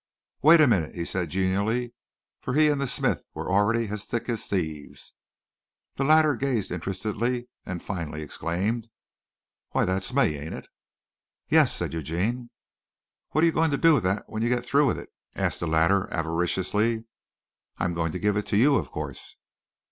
"Wait a minute," he said genially, for he and the smith were already as thick as thieves. The latter gazed interestedly and finally exclaimed: "W'y that's me, ain't it?" "Yep!" said Eugene. "Wat are you goin' to do with that wen you get through with it?" asked the latter avariciously. "I'm going to give it to you, of course."